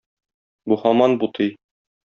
Бу һаман бутый.